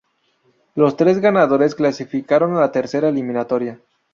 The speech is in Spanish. Los tres ganadores clasificaron a la tercera eliminatoria.